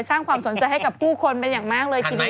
สร้างความสนใจให้กับผู้คนเป็นอย่างมากเลยทีเดียว